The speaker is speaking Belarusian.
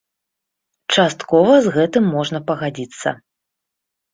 Часткова з гэтым можна пагадзіцца.